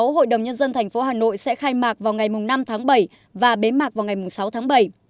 sáu hội đồng nhân dân thành phố hà nội sẽ khai mạc vào ngày năm tháng bảy và bế mạc vào ngày sáu tháng bảy